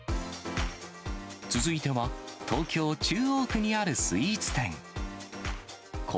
続いては東京・中央区にあるスイーツ店。